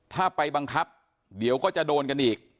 ถ้าไปบังคับเดี๋ยวก็จะโดนกันอีก